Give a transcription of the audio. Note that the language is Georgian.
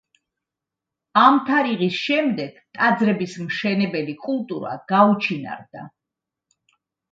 ამ თარიღის შემდეგ, ტაძრების მშენებელი კულტურა გაუჩინარდა.